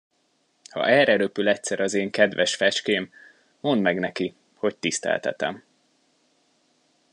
Ha erre röpül egyszer az én kedves fecském, mondd meg neki, hogy tiszteltetem.